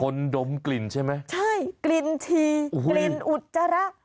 ดมกลิ่นใช่ไหมใช่กลิ่นชีกลิ่นอุจจาระ